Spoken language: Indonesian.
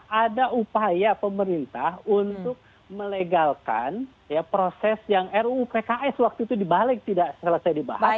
jadi ini adalah upaya pemerintah untuk melegalkan proses yang ruu pks waktu itu dibalik tidak selesai dibahas